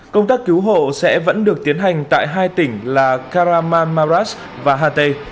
công tác cứu hộ sẽ vẫn được tiến hành tại hai tỉnh là karamanmaras và hatay